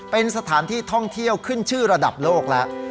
เป็นสถานที่ท่องเที่ยวขึ้นชื่อระดับโลกแล้ว